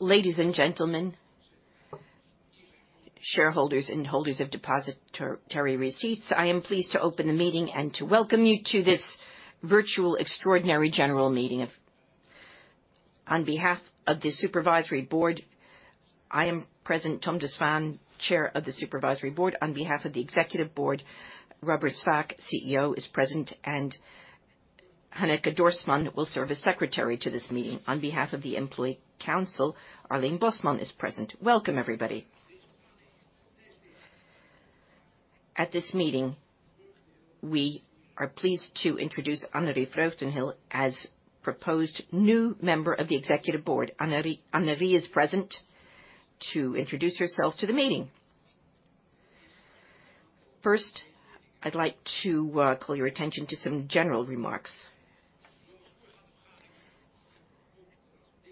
Ladies and gentlemen, shareholders and holders of depositary receipts. I am pleased to open the meeting and to welcome you to this virtual extraordinary general meeting. On behalf of the supervisory board, I am present, Tom de Swaan, Chair of the Supervisory Board. On behalf of the executive board, Robert Swaak, CEO, is present, and Hanneke Dorsman will serve as secretary to this meeting. On behalf of the employee council, Arlene Bosman is present. Welcome everybody. At this meeting, we are pleased to introduce Annerie Vreugdenhil as proposed new member of the executive board. Annerie Vreugdenhil is present to introduce herself to the meeting. First, I'd like to call your attention to some general remarks.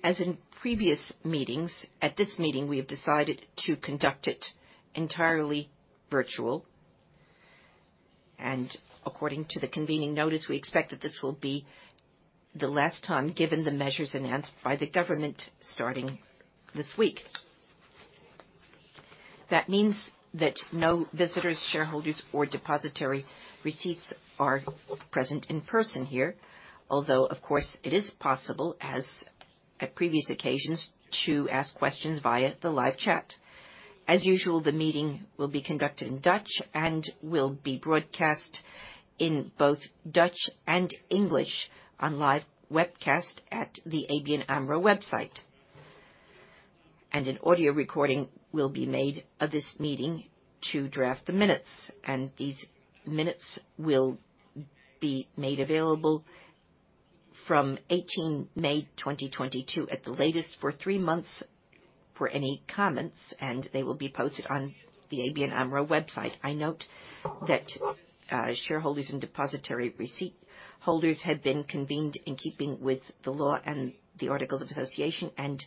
As in previous meetings, at this meeting, we have decided to conduct it entirely virtual and according to the convening notice, we expect that this will be the last time, given the measures enhanced by the government starting this week. That means that no visitors, shareholders or depositary receipts are present in person here, although of course, it is possible, as at previous occasions, to ask questions via the live chat. As usual, the meeting will be conducted in Dutch and will be broadcast in both Dutch and English on live webcast at the ABN AMRO website. An audio recording will be made of this meeting to draft the minutes, and these minutes will be made available from 18 May 2022 at the latest for three months for any comments, and they will be posted on the ABN AMRO website. I note that shareholders and depositary receipt holders have been convened in keeping with the law and the articles of association, and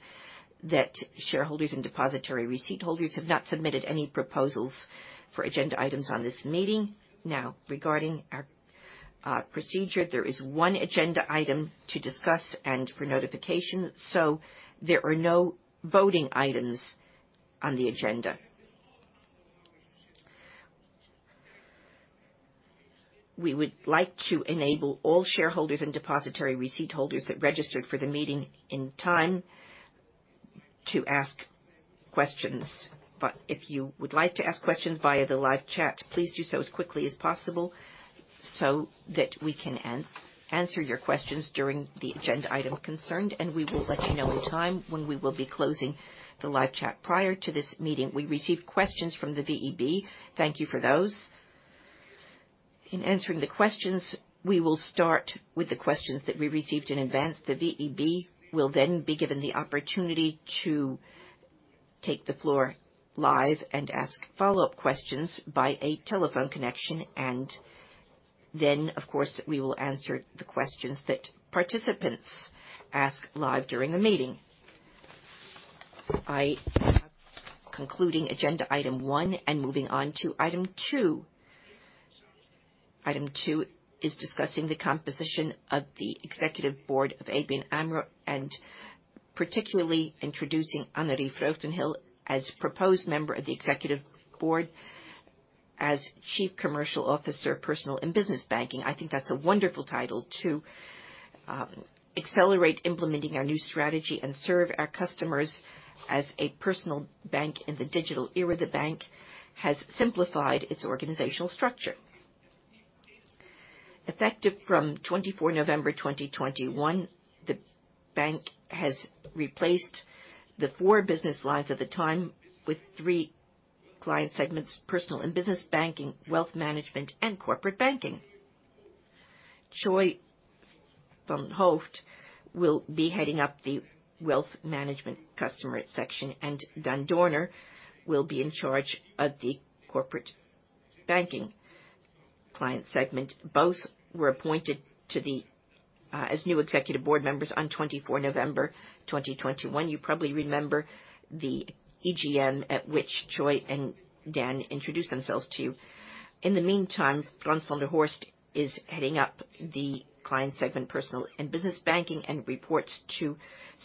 that shareholders and depositary receipt holders have not submitted any proposals for agenda items on this meeting. Now, regarding our procedure, there is one agenda item to discuss and for notification, so there are no voting items on the agenda. We would like to enable all shareholders and depositary receipt holders that registered for the meeting in time to ask questions. If you would like to ask questions via the live chat, please do so as quickly as possible so that we can answer your questions during the agenda item concerned, and we will let you know in time when we will be closing the live chat. Prior to this meeting, we received questions from the VEB. Thank you for those. In answering the questions, we will start with the questions that we received in advance. The VEB will then be given the opportunity to take the floor live and ask follow-up questions by a telephone connection. Of course, we will answer the questions that participants ask live during the meeting. I am concluding agenda item one and moving on to item two. Item two is discussing the composition of the executive board of ABN AMRO and particularly introducing Annerie Vreugdenhil as proposed member of the executive board as Chief Commercial Officer, Personal and Business Banking. I think that's a wonderful title to accelerate implementing our new strategy and serve our customers as a personal bank in the digital era. The bank has simplified its organizational structure. Effective from 24 November 2021, the bank has replaced the four business lines at the time with three client segments, Personal & Business Banking, Wealth Management, and Corporate Banking. Choy van der Hooft-Cheong will be heading up the Wealth Management customer section, and Dan Dorner will be in charge of the Corporate Banking client segment. Both were appointed as new Executive Board members on 24 November 2021. You probably remember the EGM at which Choy van der Hooft-Cheong and Dan introduced themselves to you. In the meantime, Frans van der Horst is heading up the client segment, Personal & Business Banking, and reports to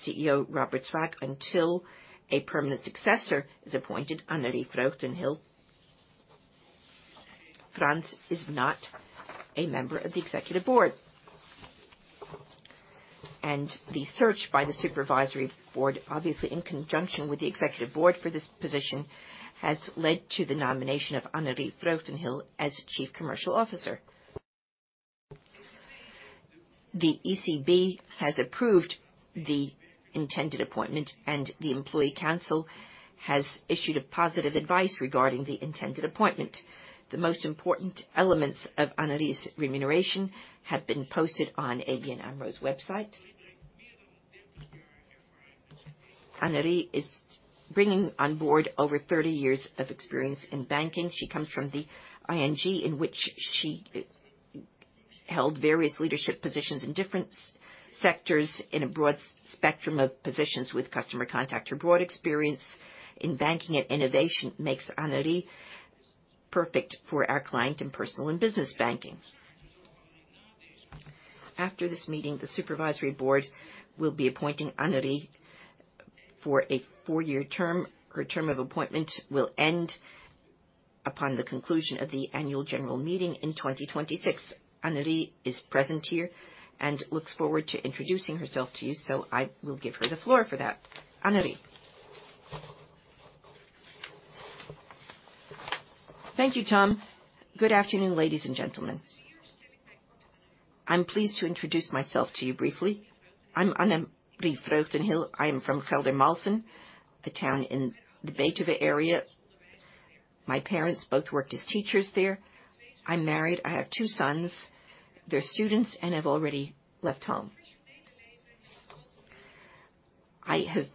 CEO Robert Swaak until a permanent successor to Annerie Vreugdenhil is appointed. Frans is not a member of the Executive Board. The search by the supervisory board, obviously in conjunction with the executive board for this position, has led to the nomination of Annerie Vreugdenhil as Chief Commercial Officer. The ECB has approved the intended appointment, and the employee council has issued a positive advice regarding the intended appointment. The most important elements of Annerie's remuneration have been posted on ABN AMRO's website. Annerie is bringing on board over 30 years of experience in banking. She comes from the ING, in which she held various leadership positions in different sectors in a broad spectrum of positions with customer contact. Her broad experience in banking and innovation makes Annerie perfect for our client in Personal and Business Banking. After this meeting, the supervisory board will be appointing Annerie for a four-year term. Her term of appointment will end upon the conclusion of the annual general meeting in 2026. Annerie is present here and looks forward to introducing herself to you, so I will give her the floor for that. Annerie. Thank you, Tom. Good afternoon, ladies and gentlemen. I'm pleased to introduce myself to you briefly. I'm Annerie Vreugdenhil. I am from Geldermalsen, a town in the Betuwe area. My parents both worked as teachers there. I'm married. I have two sons. They're students and have already left home. I have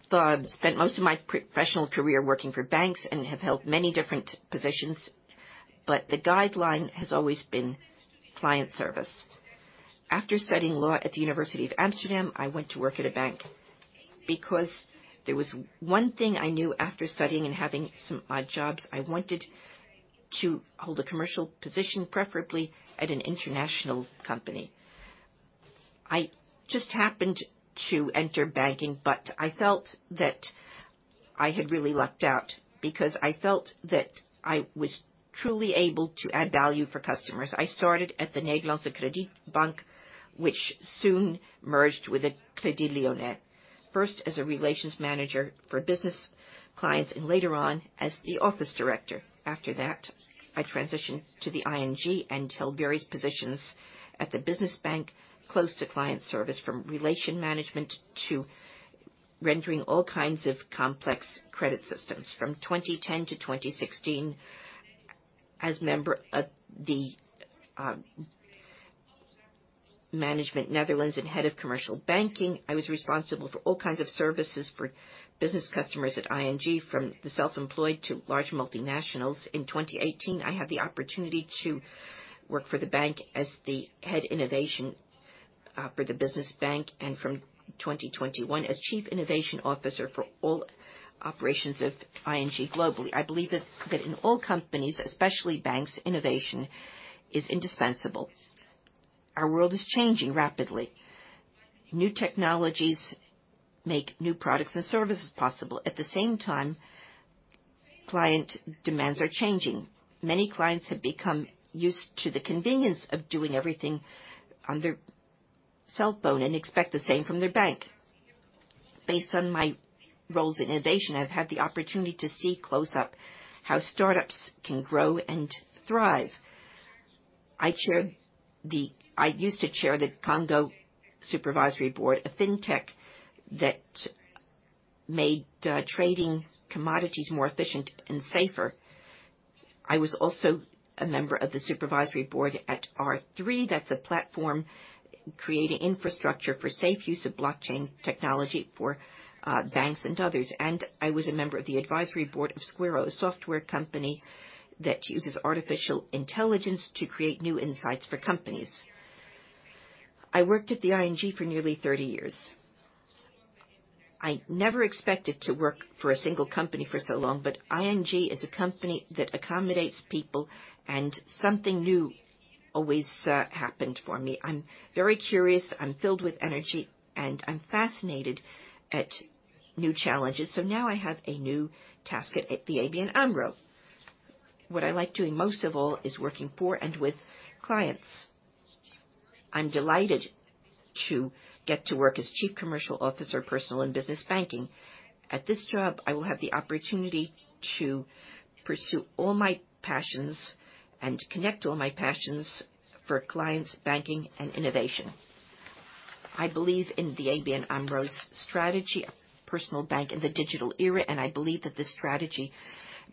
spent most of my professional career working for banks and have held many different positions, but the guideline has always been client service. After studying law at the University of Amsterdam, I went to work at a bank because there was one thing I knew after studying and having some odd jobs, I wanted to hold a commercial position, preferably at an international company. I just happened to enter banking, but I felt that I had really lucked out because I felt that I was truly able to add value for customers. I started at the Nederlandsche Credietbank, which soon merged with Crédit Lyonnais, first as a relations manager for business clients and later on as the office director. After that, I transitioned to the ING and held various positions at the business bank, close to client service from relation management to rendering all kinds of complex credit systems. From 2010 to 2016, as member of the management Netherlands and head of commercial banking, I was responsible for all kinds of services for business customers at ING, from the self-employed to large multinationals. In 2018, I had the opportunity to work for the bank as the head innovation for the business bank and from 2021 as Chief Innovation Officer for all operations of ING globally. I believe that in all companies, especially banks, innovation is indispensable. Our world is changing rapidly. New technologies make new products and services possible. At the same time, client demands are changing. Many clients have become used to the convenience of doing everything on their cell phone and expect the same from their bank. Based on my roles in innovation, I've had the opportunity to see close up how startups can grow and thrive. I used to chair the Komgo Supervisory Board, a fintech that made trading commodities more efficient and safer. I was also a member of the supervisory board at R3. That's a platform creating infrastructure for safe use of blockchain technology for banks and others. I was a member of the advisory board of Squirro, a software company that uses artificial intelligence to create new insights for companies. I worked at the ING for nearly 30 years. I never expected to work for a single company for so long, but ING is a company that accommodates people, and something new always happened for me. I'm very curious, I'm filled with energy, and I'm fascinated at new challenges. Now I have a new task at the ABN AMRO. What I like doing most of all is working for and with clients. I'm delighted to get to work as Chief Commercial Officer, Personal and Business Banking. At this job, I will have the opportunity to pursue all my passions and connect all my passions for clients, banking and innovation. I believe in the ABN AMRO's strategy, personal bank in the digital era, and I believe that this strategy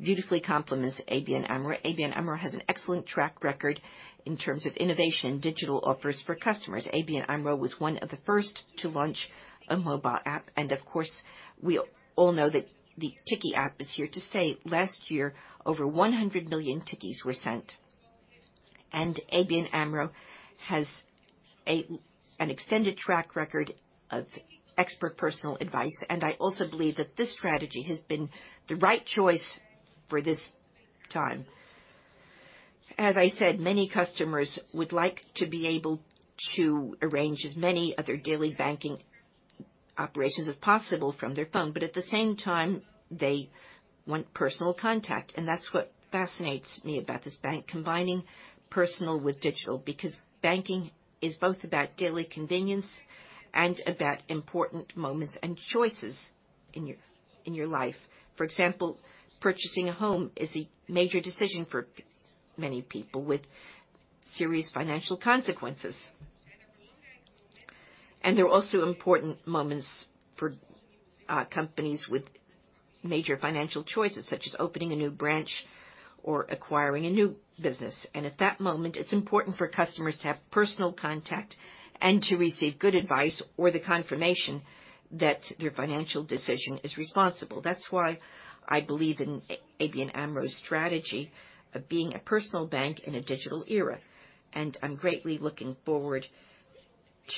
beautifully complements ABN AMRO. ABN AMRO has an excellent track record in terms of innovation, digital offers for customers. ABN AMRO was one of the first to launch a mobile app. Of course, we all know that the Tikkie app is here to stay. Last year, over 100 million Tikkie were sent. ABN AMRO has an extended track record of expert personal advice. I also believe that this strategy has been the right choice for this time. As I said, many customers would like to be able to arrange as many of their daily banking operations as possible from their phone, but at the same time, they want personal contact. That's what fascinates me about this bank, combining personal with digital, because banking is both about daily convenience and about important moments and choices in your life. For example, purchasing a home is a major decision for many people with serious financial consequences. There are also important moments for companies with major financial choices, such as opening a new branch or acquiring a new business. At that moment, it's important for customers to have personal contact and to receive good advice or the confirmation that their financial decision is responsible. That's why I believe in ABN AMRO's strategy of being a personal bank in a digital era. I'm greatly looking forward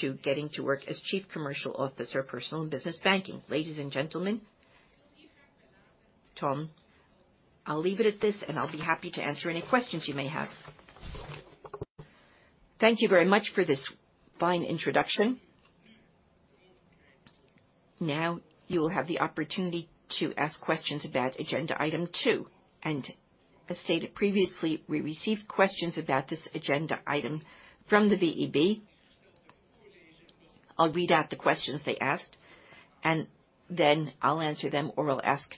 to getting to work as Chief Commercial Officer, Personal and Business Banking. Ladies and gentlemen. Tom, I'll leave it at this, and I'll be happy to answer any questions you may have. Thank you very much for this fine introduction. Now you will have the opportunity to ask questions about agenda item two, and as stated previously, we received questions about this agenda item from the VEB. I'll read out the questions they asked, and then I'll answer them, or I'll ask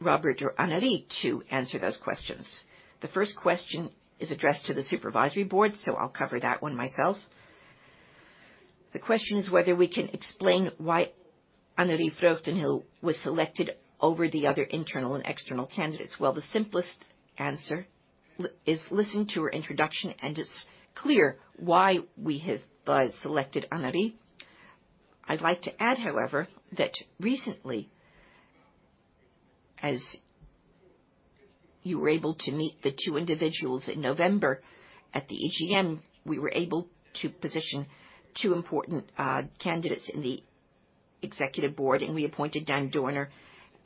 Robert or Annerie to answer those questions. The first question is addressed to the supervisory board, so I'll cover that one myself. The question is whether we can explain why Annerie Vreugdenhil was selected over the other internal and external candidates. Well, the simplest answer is listen to her introduction, and it's clear why we have selected Annerie. I'd like to add, however, that recently, as you were able to meet the two individuals in November at the AGM, we were able to position two important candidates in the executive board, and we appointed Dan Dorner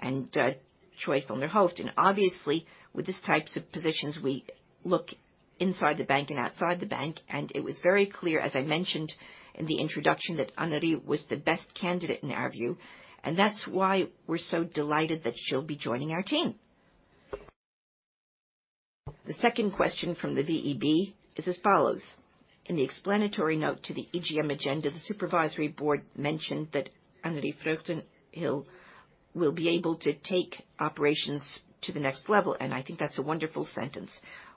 and Choy van der Hooft-Cheong. Obviously, with these types of positions, we look inside the bank and outside the bank. It was very clear, as I mentioned in the introduction, that Annerie Vreugdenhil was the best candidate in our view. That's why we're so delighted that she'll be joining our team. The second question from the VEB is as follows: in the explanatory note to the EGM agenda, the supervisory board mentioned that Annerie Vreugdenhil will be able to take operations to the next level, and I think that's a wonderful sentence.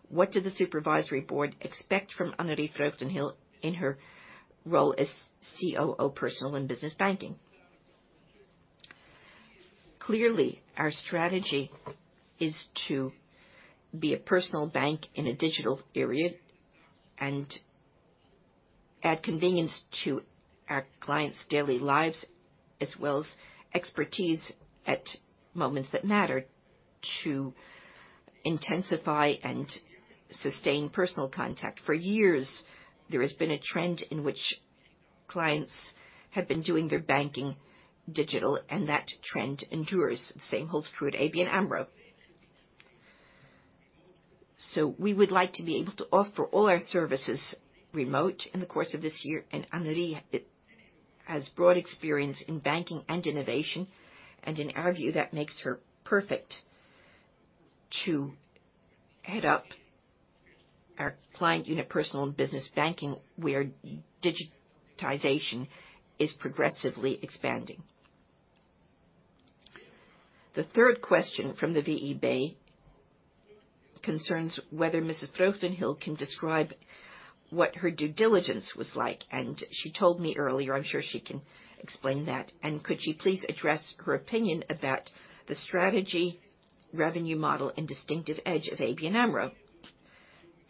What did the supervisory board expect from Annerie Vreugdenhil in her role as COO, Personal & Business Banking? Clearly, our strategy is to be a personal bank in a digital period and add convenience to our clients' daily lives, as well as expertise at moments that matter to intensify and sustain personal contact. For years, there has been a trend in which clients have been doing their banking digital, and that trend endures. The same holds true at ABN AMRO. We would like to be able to offer all our services remote in the course of this year. Annerie Vreugdenhil has broad experience in banking and innovation, and in our view, that makes her perfect to head up our client unit, Personal and Business Banking, where digitization is progressively expanding. The third question from the VEB concerns whether Mrs. Vreugdenhil can describe what her due diligence was like. She told me earlier, I'm sure she can explain that. Could she please address her opinion about the strategy, revenue model, and distinctive edge of ABN AMRO,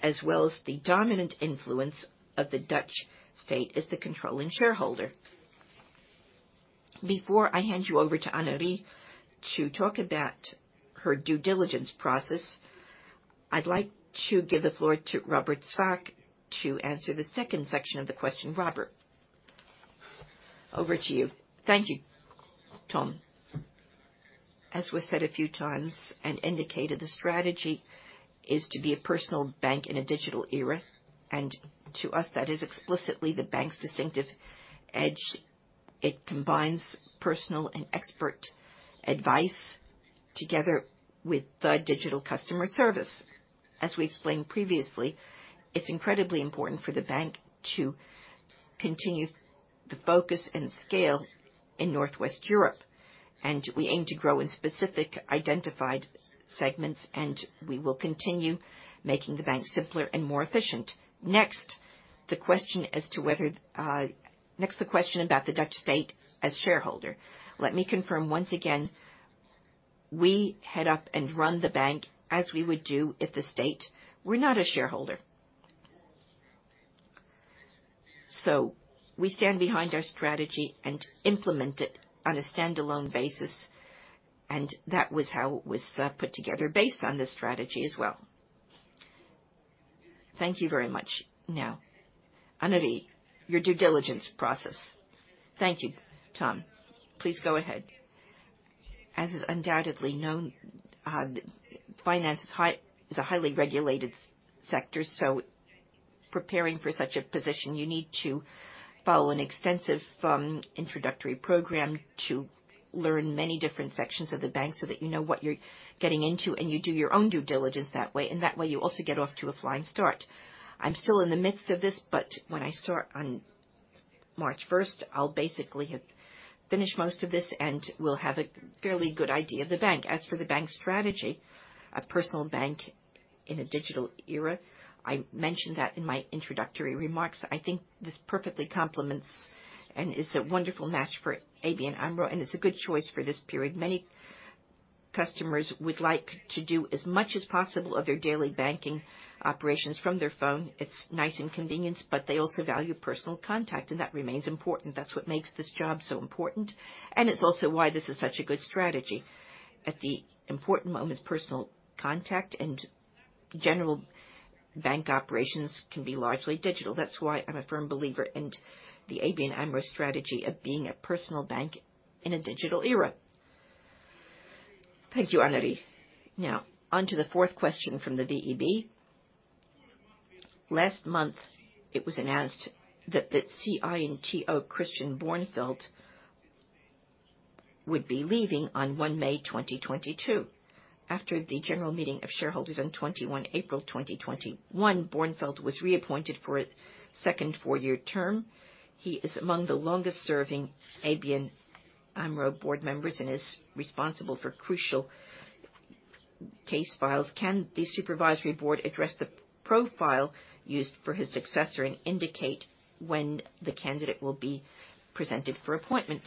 as well as the dominant influence of the Dutch state as the controlling shareholder. Before I hand you over to Annerie to talk about her due diligence process, I'd like to give the floor to Robert Swaak to answer the second section of the question. Robert, over to you. Thank you, Tom. As we said a few times and indicated, the strategy is to be a personal bank in a digital era. To us, that is explicitly the bank's distinctive edge. It combines personal and expert advice together with the digital customer service. As we explained previously, it's incredibly important for the bank to continue the focus and scale in northwest Europe. We aim to grow in specific identified segments, and we will continue making the bank simpler and more efficient. Next, the question about the Dutch state as shareholder. Let me confirm once again, we head up and run the bank as we would do if the state were not a shareholder. We stand behind our strategy and implement it on a stand-alone basis. That was how it was put together based on this strategy as well. Thank you very much. Now, Annerie Vreugdenhil, your due diligence process. Thank you, Tom. Please go ahead. As is undoubtedly known, finance is a highly regulated sector, so preparing for such a position, you need to follow an extensive introductory program to learn many different sections of the bank so that you know what you're getting into and you do your own due diligence that way. That way, you also get off to a flying start. I'm still in the midst of this, but when I start on March first, I'll basically have finished most of this and will have a fairly good idea of the bank. As for the bank strategy, A Personal Bank in a Digital Era, I mentioned that in my introductory remarks. I think this perfectly complements and is a wonderful match for ABN AMRO, and it's a good choice for this period. Many customers would like to do as much as possible of their daily banking operations from their phone. It's nice and convenient, but they also value personal contact, and that remains important. That's what makes this job so important, and it's also why this is such a good strategy. At the important moments, personal contact and general bank operations can be largely digital. That's why I'm a firm believer in the ABN AMRO strategy of being a personal bank in a digital era. Thank you, Annerie. Now onto the fourth question from the VEB. Last month, it was announced that CI&TO Christian Bornfeld would be leaving on 1 May 2022. After the general meeting of shareholders on 21 April 2021, Bornfeld was reappointed for a second four-year term. He is among the longest-serving ABN AMRO board members and is responsible for crucial case files. Can the Supervisory Board address the profile used for his successor and indicate when the candidate will be presented for appointment?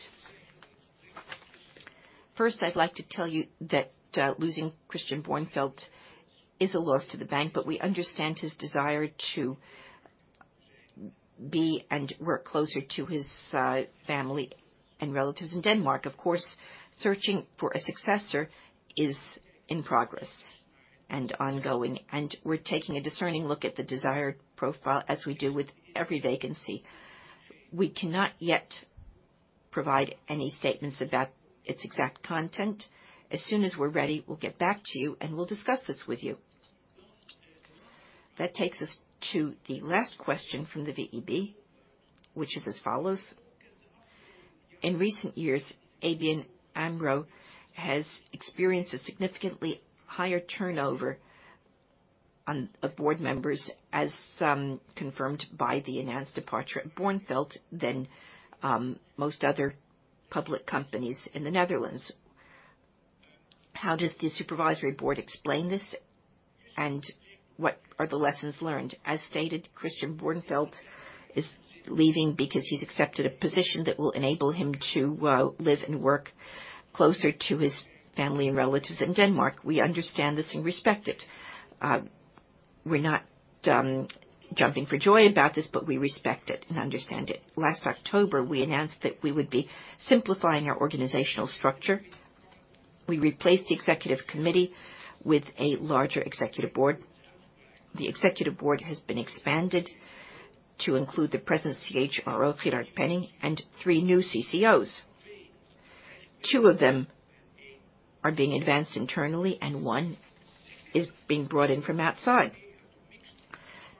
First, I'd like to tell you that, losing Christian Bornfeld is a loss to the bank, but we understand his desire to be and work closer to his, family and relatives in Denmark. Of course, searching for a successor is in progress and ongoing, and we're taking a discerning look at the desired profile, as we do with every vacancy. We cannot yet provide any statements about its exact content. As soon as we're ready, we'll get back to you, and we'll discuss this with you. That takes us to the last question from the VEB, which is as follows: in recent years, ABN AMRO has experienced a significantly higher turnover of board members, as confirmed by the recent departure of Bornfeld than most other public companies in the Netherlands. How does the supervisory board explain this, and what are the lessons learned? As stated, Christian Bornfeld is leaving because he's accepted a position that will enable him to live and work closer to his family and relatives in Denmark. We understand this and respect it. We're not jumping for joy about this, but we respect it and understand it. Last October, we announced that we would be simplifying our organizational structure. We replaced the executive committee with a larger executive board. The executive board has been expanded to include the present CHRO, Gerard Penning, and three new CCOs. Two of them are being advanced internally, and one is being brought in from outside.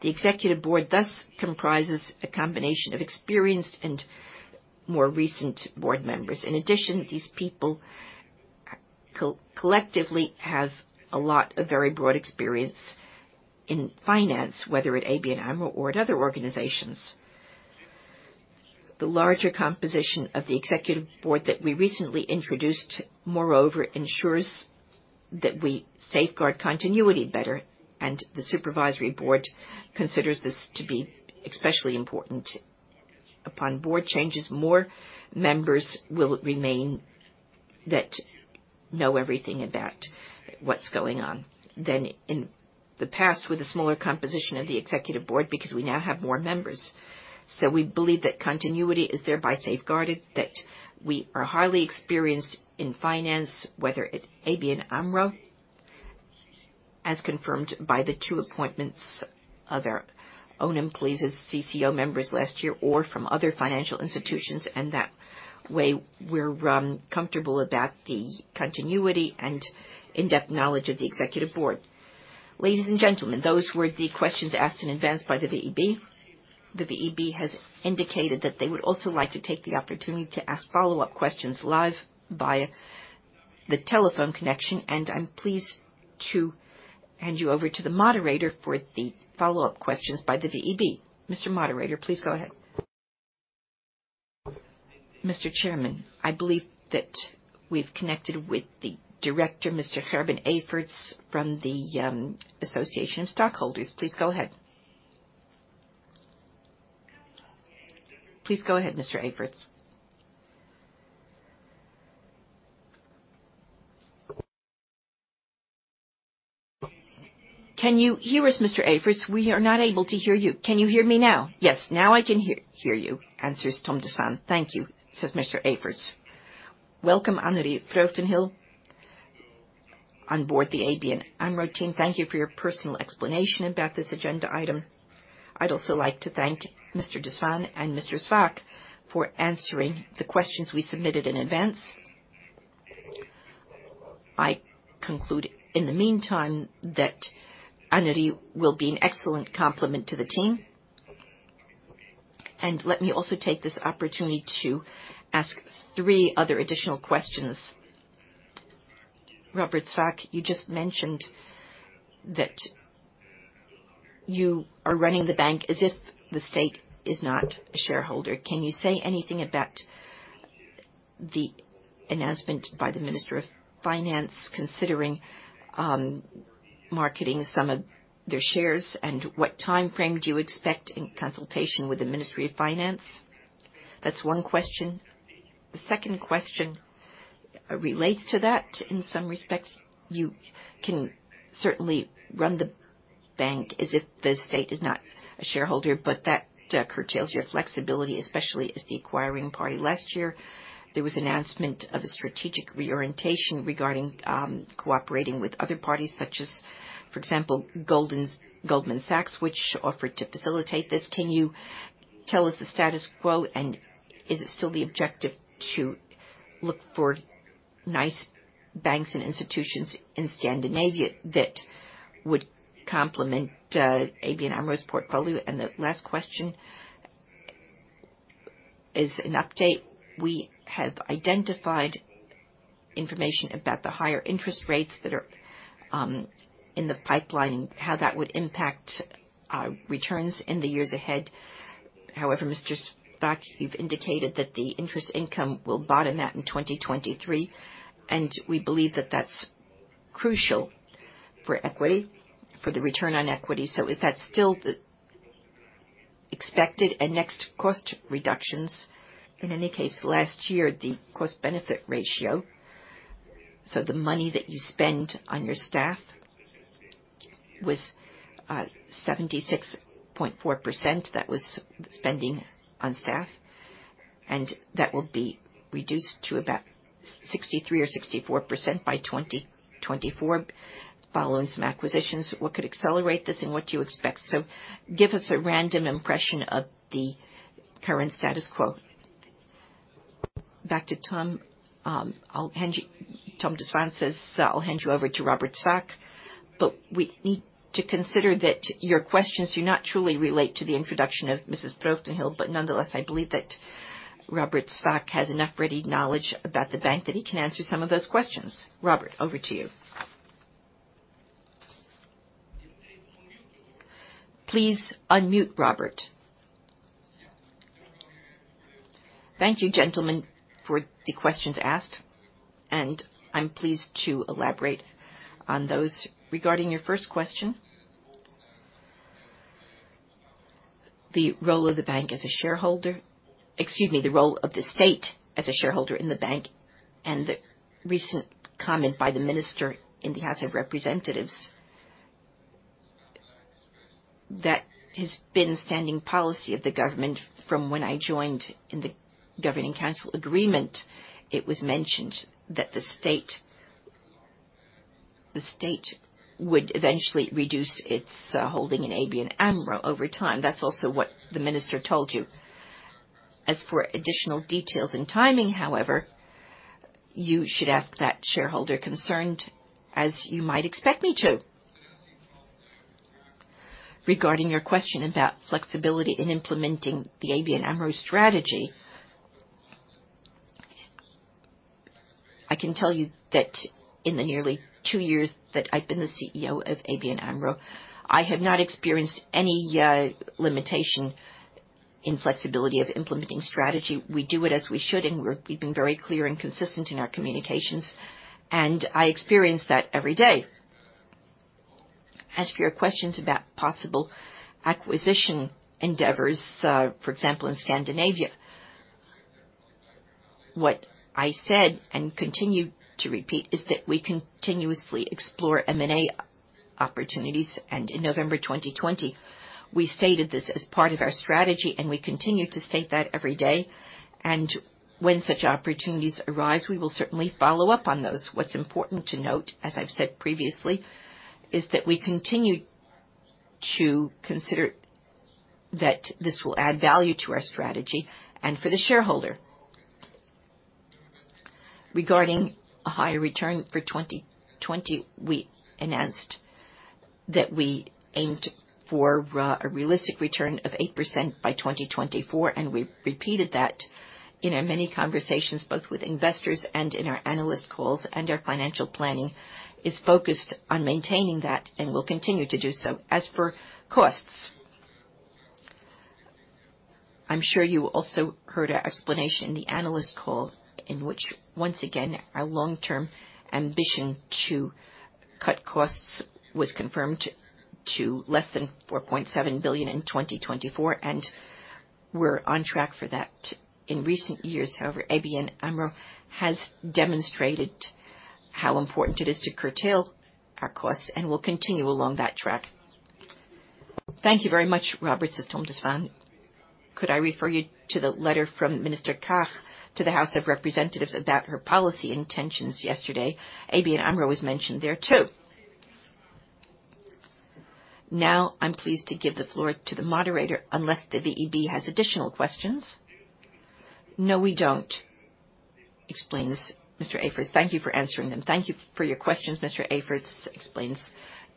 The executive board thus comprises a combination of experienced and more recent board members. In addition, these people collectively have a lot of very broad experience in finance, whether at ABN AMRO or at other organizations. The larger composition of the executive board that we recently introduced, moreover, ensures that we safeguard continuity better, and the supervisory board considers this to be especially important. Upon board changes, more members will remain that know everything about what's going on than in the past with a smaller composition of the executive board because we now have more members. We believe that continuity is thereby safeguarded, that we are highly experienced in finance, whether at ABN AMRO, as confirmed by the two appointments of our own employees as CCO members last year or from other financial institutions. That way we're comfortable about the continuity and in-depth knowledge of the executive board. Ladies and gentlemen, those were the questions asked in advance by the VEB. The VEB has indicated that they would also like to take the opportunity to ask follow-up questions live via the telephone connection, and I'm pleased to hand you over to the moderator for the follow-up questions by the VEB. Mr. Moderator, please go ahead. Mr. Chairman, I believe that we've connected with the director, Mr. Gerben Everts, from the Association of Stockholders. Please go ahead. Please go ahead, Mr. Everts. Can you hear us, Mr. Everts? We are not able to hear you. Can you hear me now? "Yes, now I can hear you," answers Tom de Swaan. "Thank you," says Mr. Everts. Welcome, Annerie Vreugdenhil, on board the ABN AMRO team. Thank you for your personal explanation about this agenda item. I'd also like to thank Mr. de Swaan and Mr. Swaak for answering the questions we submitted in advance. I conclude in the meantime that Annerie will be an excellent complement to the team. Let me also take this opportunity to ask three other additional questions. Robert Swaak, you just mentioned that you are running the bank as if the state is not a shareholder. Can you say anything about the announcement by the Minister of Finance considering marketing some of their shares, and what timeframe do you expect in consultation with the Ministry of Finance? That's one question. The second question relates to that in some respects. You can certainly run the bank as if the state is not a shareholder, but that curtails your flexibility, especially as the acquiring party. Last year, there was an announcement of a strategic reorientation regarding cooperating with other parties such as, for example, Goldman Sachs, which offered to facilitate this. Can you tell us the status quo and is it still the objective to look for niche banks and institutions in Scandinavia that would complement ABN AMRO's portfolio? The last question is an update. We have identified information about the higher interest rates that are in the pipeline and how that would impact returns in the years ahead. However, Mr. Swaak, you've indicated that the interest income will bottom out in 2023, and we believe that that's crucial for equity, for the return on equity. Is that still the expected and next cost reductions? In any case, last year, the cost-benefit ratio, so the money that you spend on your staff was 76.4%. That was spending on staff, and that will be reduced to about 63%-64% by 2024 following some acquisitions. What could accelerate this and what do you expect? Give us a broad impression of the current status quo. Back to Tom. Tom de Swaan says, I'll hand you over to Robert Swaak, but we need to consider that your questions do not truly relate to the introduction of Mrs. Vreugdenhil," but nonetheless, I believe that Robert Swaak has enough relevant knowledge about the bank that he can answer some of those questions. Robert, over to you. Please unmute, Robert. Thank you, gentlemen, for the questions asked, and I'm pleased to elaborate on those. Regarding your first question, the role of the bank as a shareholder. Excuse me, the role of the state as a shareholder in the bank and the recent comment by the minister in the House of Representatives. That has been standing policy of the government from when I joined in the governing council agreement. It was mentioned that the state would eventually reduce its holding in ABN AMRO over time. That's also what the minister told you. As for additional details and timing, however, you should ask that shareholder concerned, as you might expect me to. Regarding your question about flexibility in implementing the ABN AMRO strategy. I can tell you that in the nearly two years that I've been the CEO of ABN AMRO, I have not experienced any limitation in flexibility of implementing strategy. We do it as we should, and we've been very clear and consistent in our communications, and I experience that every day. As for your questions about possible acquisition endeavors, for example, in Scandinavia. What I said and continue to repeat is that we continuously explore M&A opportunities, and in November 2020, we stated this as part of our strategy and we continue to state that every day. When such opportunities arise, we will certainly follow up on those. What's important to note, as I've said previously, is that we continue to consider that this will add value to our strategy and for the shareholder. Regarding a higher return for 2020, we announced that we aimed for a realistic return of 8% by 2024, and we repeated that in our many conversations, both with investors and in our analyst calls, and our financial planning is focused on maintaining that and will continue to do so. As for costs, I'm sure you also heard our explanation in the analyst call, in which once again, our long-term ambition to cut costs was confirmed to less than 4.7 billion in 2024, and we're on track for that. In recent years, however, ABN AMRO has demonstrated how important it is to curtail our costs, and we'll continue along that track. Thank you very much, Robert, says Tom de Swaan. Could I refer you to the letter from Minister Kaag to the House of Representatives about her policy intentions yesterday? ABN AMRO was mentioned there too. Now, I'm pleased to give the floor to the moderator, unless the VEB has additional questions. No, we don't. Explains Mr. Everts. Thank you for answering them. Thank you for your questions, Mr. Everts, explains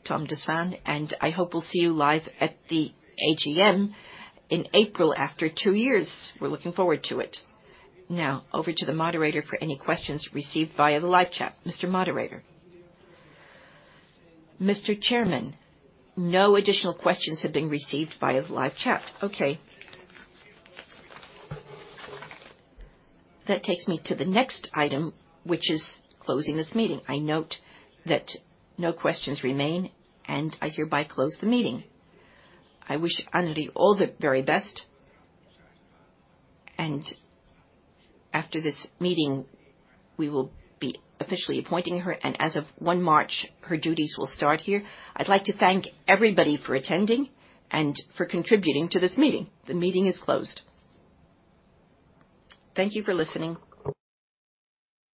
Tom de Swaan. I hope we'll see you live at the AGM in April after two years. We're looking forward to it. Now, over to the moderator for any questions received via the live chat. Mr. Moderator. Mr. Chairman, no additional questions have been received via the live chat. Okay. That takes me to the next item, which is closing this meeting. I note that no questions remain, and I hereby close the meeting. I wish Annerie all the very best. After this meeting, we will be officially appointing her, and as of 1 March, her duties will start here. I'd like to thank everybody for attending and for contributing to this meeting. The meeting is closed. Thank you for listening.